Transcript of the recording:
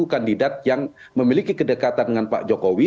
kandidat yang memiliki kedekatan dengan pak jokowi